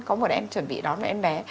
có một em chuẩn bị đón mẹ em bé